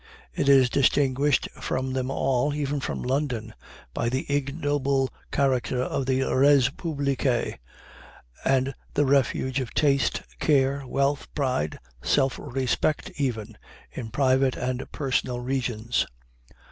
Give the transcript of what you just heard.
It is distinguished from them all even from London by the ignoble character of the res publicæ, and the refuge of taste, care, wealth, pride, self respect even, in private and personal regions.